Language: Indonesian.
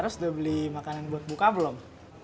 terus udah beli makanan buat buka belum